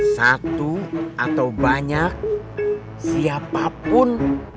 satu atau banyak siapapun